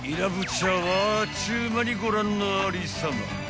ちゅう間にご覧のありさま］